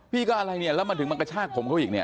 พี่ก็อะไรเนี่ยแล้วมันถึงมากระชากผมเขาอีกเนี่ย